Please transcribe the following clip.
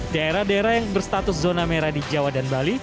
daerah daerah yang berstatus zona merah di jawa dan bali